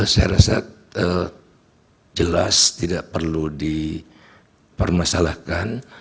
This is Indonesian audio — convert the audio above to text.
saya rasa jelas tidak perlu dipermasalahkan